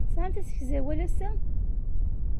Tesɛamt asegzawal ass-a?